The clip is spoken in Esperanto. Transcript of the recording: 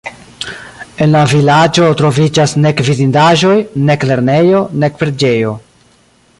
En la vilaĝo troviĝas nek vidindaĵoj, nek lernejo, nek preĝejo.